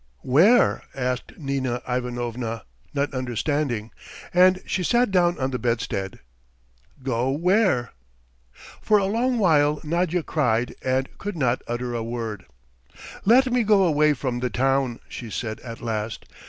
"Where?" asked Nina Ivanovna, not understanding, and she sat down on the bedstead. "Go where?" For a long while Nadya cried and could not utter a word. "Let me go away from the town," she said at last.